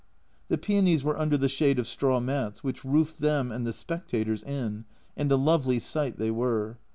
The paeonies were under the shade of straw mats, which roofed them and the spectators in, and a lovely sight they were.